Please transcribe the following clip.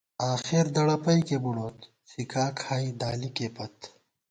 آخر دڑَپَئکے بُڑوت ، څِھکا کھائی دالِکے پت